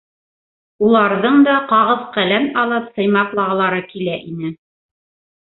Уларҙың да ҡағыҙ-ҡәләм алып сыймаҡлағылары килә ине.